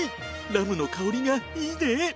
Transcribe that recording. ラムの香りがいいね！